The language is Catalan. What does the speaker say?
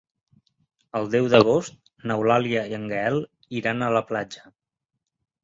El deu d'agost n'Eulàlia i en Gaël iran a la platja.